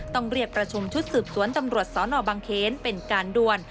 ต้องเรียกประชุมชุดสืบสวนตำรวจสนบังเขนเป็นการด่วน